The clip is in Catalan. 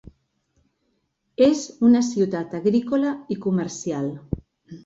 És una ciutat agrícola i comercial.